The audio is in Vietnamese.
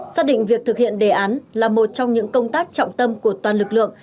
xác định việc thực hiện đề án là một trong những công tác trọng tâm của toàn lực lượng